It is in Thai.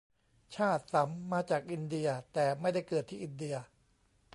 ชาอัสสัม มาจากอินเดีย แต่ไม่ได้เกิดที่อินเดีย